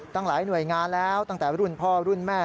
ตั้งหลายหน่วยงานแล้วตั้งแต่รุ่นพ่อรุ่นแม่